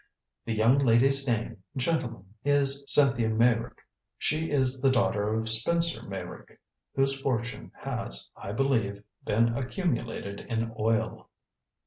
The young lady's name, gentlemen, is Cynthia Meyrick. She is the daughter of Spencer Meyrick, whose fortune has, I believe, been accumulated in oil."